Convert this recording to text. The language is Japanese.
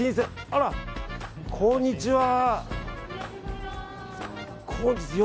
あら、こんにちは。